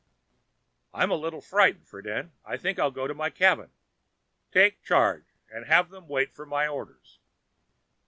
"I'm a little frightened, Friden; I think I'll go to my cabin. Take charge and have them wait for my orders."